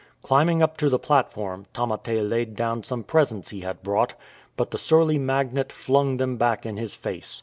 Climbing up to the platform, Tamate laid down some presents he had brought, but the surly magnate flung them back in his face.